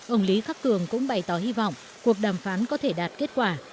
ông lý khắc cường cũng bày tỏ hy vọng cuộc đàm phán có thể đạt kết quả